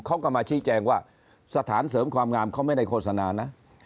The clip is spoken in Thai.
เขาก็มาชี้แจงว่าสถานเสริมความงามเขาไม่ได้โฆษณานะ